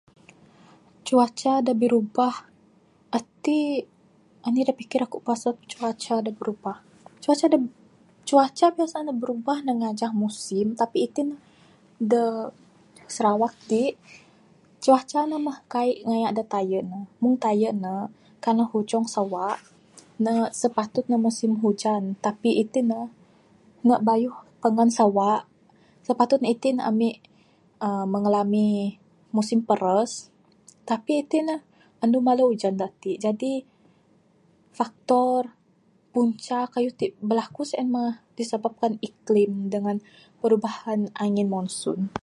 Cuaca da birubah ati...anih da pikir aku pasal cuaca da birubah...cuaca da...cuaca biasa ne birubah ne ngajah musim tapi itin ne da Sarawak ti cuaca ne mbuh kaii ngaya da tayen...meng tayen ne kalau hujung sawa ne sipatut ne musim ujan tapi itin ne ne bauh pangan sawa... sipatut itin ne ami mengalami musim paras tapi itin ne andu malar ujan da ati...jadi faktor punca kayuh ti berlaku sien mbuh disebabkan iklim dangan perubahan angun monsoon.